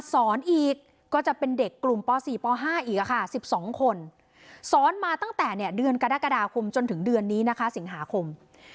สอนมาตั้งแต่เดือนกรกฎาคมจนถึงเดือนนี้นะคะสิงหาคม